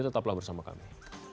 tetaplah bersama kami